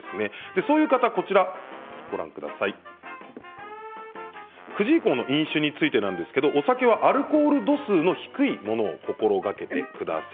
そういう方は９時以降の飲酒についてなんですけれどお酒はアルコール度数の低いものを心がけてください。